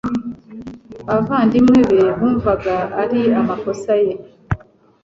Abavandimwe be bumvaga ari amakosa ye,